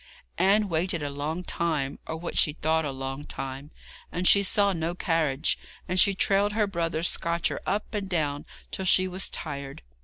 Anne waited a long time, or what she thought a long time, and she saw no carriage and she trailed her brother's scotcher up and down till she was tired.